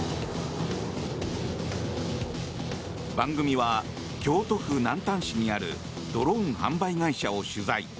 番組は、京都府南丹市にあるドローン販売会社を取材。